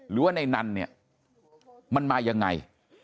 หรือว่าในนั้นเนี่ยมันมายังไง